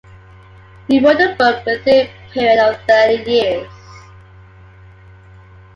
He wrote the book within a period of thirty years.